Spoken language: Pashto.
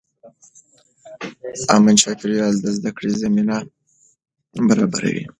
امن چاپېریال د زده کړې زمینه برابروي.